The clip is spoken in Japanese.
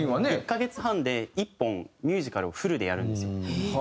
１カ月半で１本ミュージカルをフルでやるんですよ。